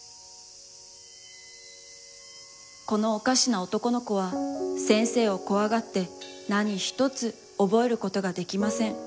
このおかしな男の子は、先生をこわがって、なにひとつおぼえることができません。